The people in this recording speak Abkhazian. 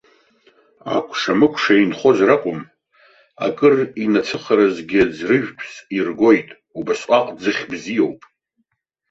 Акәша-мыкәша инхоз ракәым, акыр инацәыхаразгьы, ӡыржәтәыс иргоит, убасҟак ӡыхь бзиоуп.